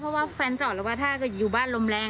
เพราะว่าแฟนจอดแล้วว่าถ้าอยู่บ้านลมแรง